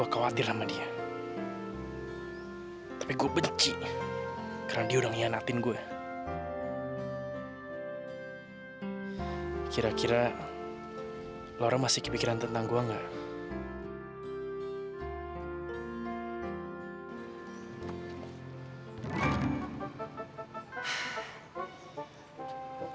kira kira laura masih kepikiran tentang gue gak